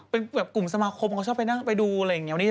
เป็นกลุ่มสมาครบเขาชอบไปดูเว่งนี้